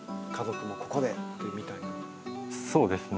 そうですね。